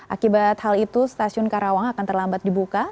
akibat hal itu stasiun karawang akan terlambat dibuka